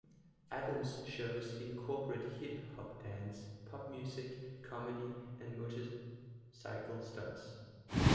Adams' shows incorporate hip hop dance, pop music, comedy and motorcycle stunts.